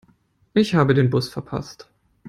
Ich habe den Bus verpasst.